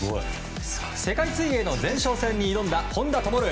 世界水泳の前哨戦に挑んだ本多灯。